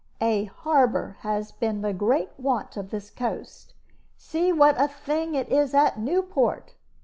A harbor has been the great want of this coast; see what a thing it is at Newport!